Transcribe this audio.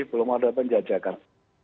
belum ada penjajakan